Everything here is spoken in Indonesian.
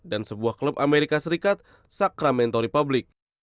dan sebuah klub amerika serikat sacramento republic